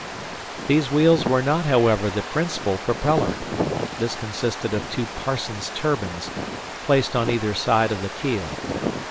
These wheels were not however, the principal propeller. This consisted of two "Parsons" turbines placed on either side of the keel.